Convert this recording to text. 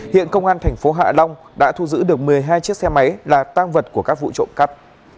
hiện công an thành phố hạ long đã thu giữ được một mươi hai chiếc xe máy là tang vật của các vụ trộm cắp